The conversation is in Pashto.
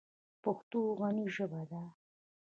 پښتو غني ژبه ده.